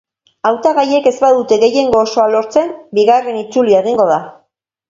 Hautagaiek ez badute gehiengo osoa lortzen, bigarren itzulia egingo da.